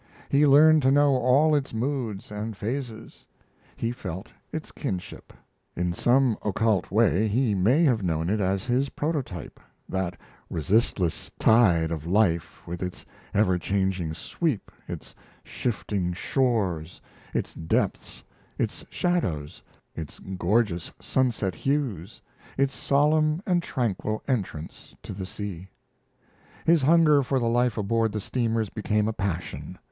He learned to know all its moods and phases. He felt its kinship. In some occult way he may have known it as his prototype that resistless tide of life with its ever changing sweep, its shifting shores, its depths, its shadows, its gorgeous sunset hues, its solemn and tranquil entrance to the sea. His hunger for the life aboard the steamers became a passion.